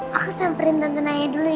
pak aku samperin tante naya dulu ya